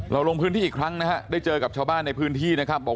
ลงพื้นที่อีกครั้งนะฮะได้เจอกับชาวบ้านในพื้นที่นะครับบอก